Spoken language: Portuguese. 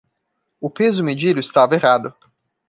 O peso medido estava errado